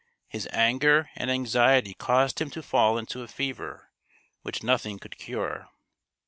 His anger and anxiety caused him to fall into a fever which nothing could cure.